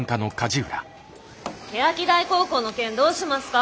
欅台高校の件どうしますか？